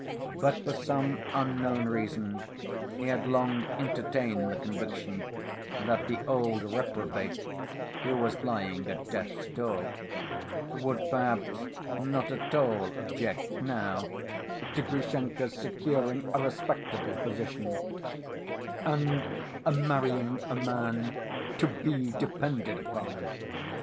But for some unknown reason he had long entertained the conviction that the old reprobate, who was lying at death's door, would perhaps not at all object now to Grushenka's securing a respectable position, and marrying a man "to be depended upon."